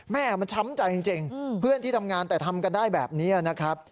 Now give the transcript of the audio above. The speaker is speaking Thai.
แม่มันช้ำใจจริงเพื่อนที่ทำงานแต่ทำกันได้แบบนี้นะครับ